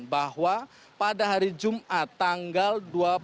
bahwa pada hari jumat tanggal dua puluh